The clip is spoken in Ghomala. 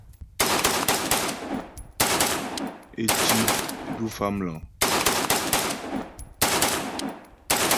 Ě tí du Famləŋ.